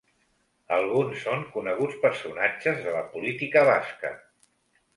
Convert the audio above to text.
Alguns són coneguts personatges de la política basca.